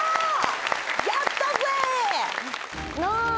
やったぜ！